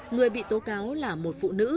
người bị tố cáo là một phụ nữ